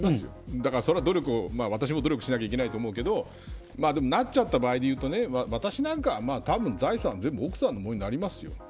だからそれは、私も努力しないといけないと思うけれどでもなっちゃった場合でいうと私なんかは、たぶん財産は全部奥さんのものになりますよ。